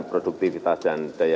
produktivitas dan daya saing bangsa